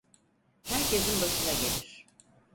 Herkesin başına gelir.